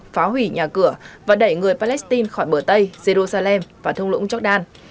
phá hủy nhà cửa và đẩy người palestine khỏi bờ tây jerusalem và thông lũng jordan